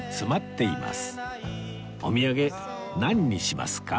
お土産なんにしますか？